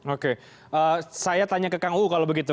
oke saya tanya ke kang uu kalau begitu